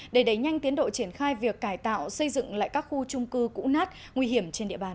để đẩy nhanh tiến độ triển khai việc cải tạo xây dựng lại các khu trung cư cũ nát nguy hiểm trên địa bàn